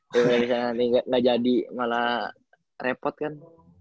bisa disana nanti gak jadi malah repot kan